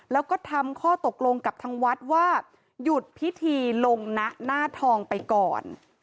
แล้วก็ทำข้อตกลงกับทางวัดว่าหยุดพิธีลงนะหน้าทองไปก่อน